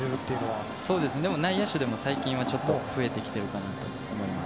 内野手でも最近は増えてきていると思います。